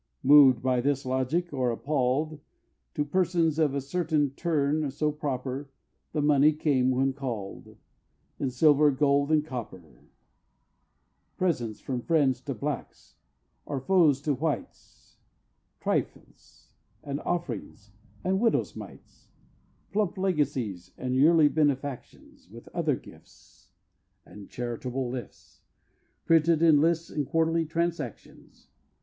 Moved by this logic, or appall'd, To persons of a certain turn so proper, The money came when call'd, In silver, gold, and copper, Presents from "Friends to blacks," or foes to whites, "Trifles," and "offerings," and "widows' mites," Plump legacies, and yearly benefactions, With other gifts And charitable lifts, Printed in lists and quarterly transactions.